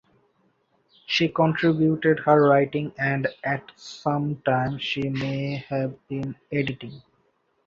She contributed her writing and at some time she may have been editing.